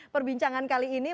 perbincangan kali ini